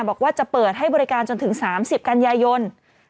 บอกว่าจะเปิดให้บริการจนถึง๓๐กันยายน